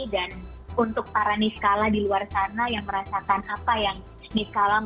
dan untuk para niskala di luar sana yang merasakan apa yang niskala maupun perang merasakan di dalam film